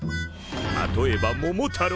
例えば「桃太郎」。